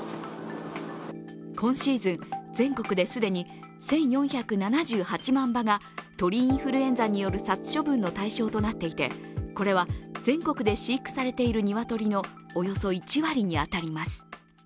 今シーズン、全国で既に１４８７万羽が鳥インフルエンザによる殺処分の対象となっていてこれは、全国で飼育されている鶏のおよそ１割に当たります。